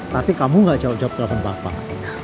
tapi kamu gak jawab jawab telepon bapak